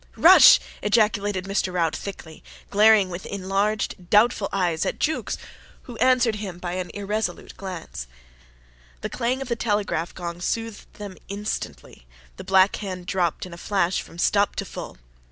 "Rush!" ejaculated Mr. Rout thickly, glaring with enlarged, doubtful eyes at Jukes, who answered him by an irresolute glance. The clang of the telegraph gong soothed them instantly. The black hand dropped in a flash from STOP to FULL.